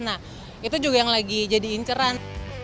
nah itu juga yang lagi jadi inceran